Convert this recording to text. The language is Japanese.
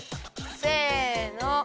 せの。